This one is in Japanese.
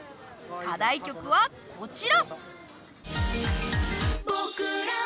課題曲はこちら！